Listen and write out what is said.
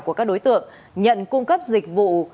của các đối tượng nhận cung cấp dịch vụ